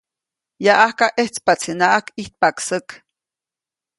Yaʼajka ʼejtspaʼtsinaʼajk ʼijtpaʼk säk.